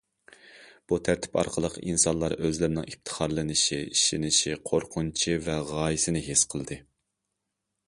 بۇ تەرتىپ ئارقىلىق ئىنسانلار ئۆزلىرىنىڭ ئىپتىخارلىنىشى، ئىشىنىشى، قورقۇنچى ۋە غايىسىنى ھېس قىلدى.